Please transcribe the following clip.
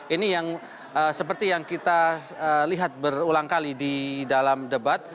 ini yang seperti yang kita lihat berulang kali di dalam debat